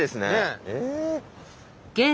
え？